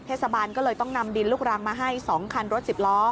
เทศบาลก็เลยต้องนำดินลูกรังมาให้๒คันรถ๑๐ล้อ